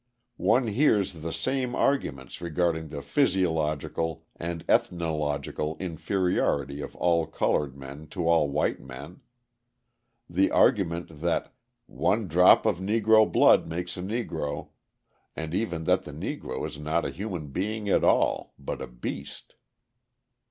One hears the same arguments regarding the physiological and ethnological inferiority of all coloured men to all white men: the argument that "one drop of Negro blood makes a Negro," and even that the Negro is not a human being at all, but a beast.